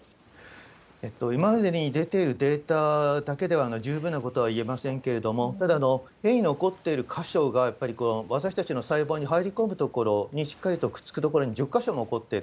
今までに出ているデータだけでは、十分なことは言えませんけれども、ただ、目に残っている箇所が、やっぱり私たちの細胞に入り込む所にしっかりとくっつく所に１０か所残っている。